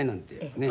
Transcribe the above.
ねえ。